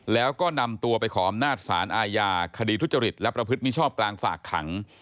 แล้วก็นำตัวไปขออำนาจศาลอาญาคดีทุจริตและประพฤติมิชอบกลางฝากขัง